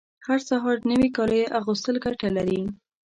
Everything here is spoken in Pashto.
هر سهار نوي کالیو اغوستل ګټه لري